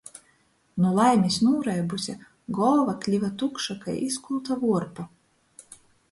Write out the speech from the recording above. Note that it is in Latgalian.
Nu laimis nūreibuse, golva kliva tukša kai izkulta vuorpa.